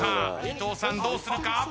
伊藤さんどうするか？